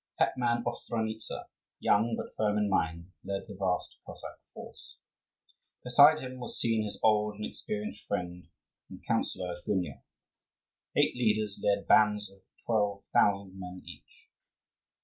Hetman Ostranitza, young, but firm in mind, led the vast Cossack force. Beside him was seen his old and experienced friend and counsellor, Gunya. Eight leaders led bands of twelve thousand men each.